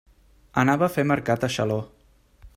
Anava a fer mercat a Xaló.